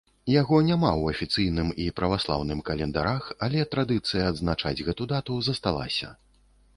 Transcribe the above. Яго няма ў афіцыйным і праваслаўным календарах, але традыцыя адзначаць гэту дату засталася.